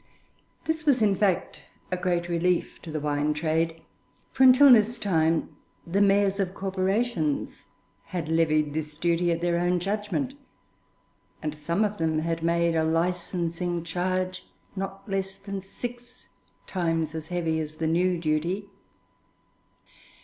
This was, in fact, a great relief to the wine trade, for until this time the mayors of corporations had levied this duty at their own judgment, and some of them had made a licensing charge not less than six times as heavy as the new duty.